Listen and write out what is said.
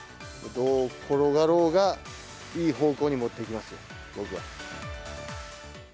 どう転がろうが、いい方向に持っていきますよ、僕は。